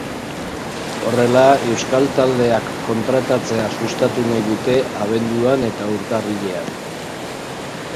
Horrela, euskal taldeak kontratatzea sustatu nahi dute abenduan eta urtarrilean.